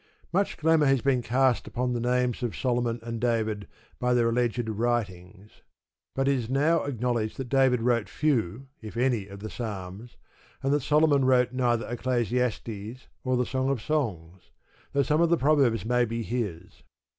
Much glamour has been cast upon the names of Solomon and David by their alleged writings. But it is now acknowledged that David wrote few, if any, of the Psalms, and that Solomon wrote neither Ecclesiastes nor the Song of Songs, though some of the Proverbs may be his.